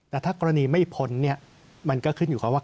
แต่ถ้ากรณีไม่พ้นเนี่ยมันก็ขึ้นอยู่กับว่า